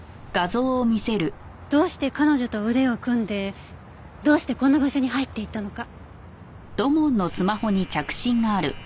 どうして彼女と腕を組んでどうしてこんな場所に入って行ったのか。